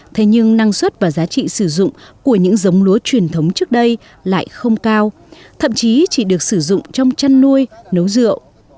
thế nhưng năng suất và giá trị sử dụng của những giống lúa truyền thống trước đây lại không cao thậm chí chỉ được sử dụng trong chăn nuôi nấu rượu